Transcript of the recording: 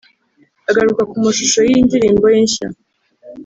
Agaruka ku mashusho y’iyi ndirimbo ye nshya